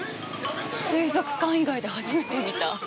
水族館以外で初めて見た。